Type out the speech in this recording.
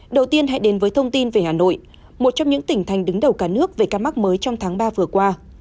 đầu tiên hãy đến với thông tin về hà nội một trong những tỉnh thành đứng đầu cả nước về ca mắc mới trong tháng ba vừa qua